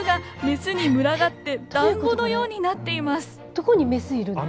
どこにメスいるの？